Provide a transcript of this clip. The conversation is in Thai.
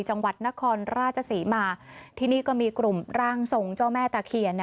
จังหวัดนครราชศรีมาที่นี่ก็มีกลุ่มร่างทรงเจ้าแม่ตะเคียน